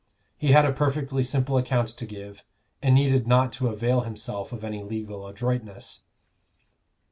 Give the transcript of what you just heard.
He had a perfectly simple account to give, and needed not to avail himself of any legal adroitness.